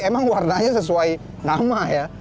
emang warnanya sesuai nama ya